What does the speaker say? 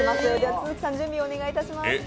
都築さん準備をお願いいたします。